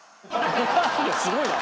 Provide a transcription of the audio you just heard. すごいな。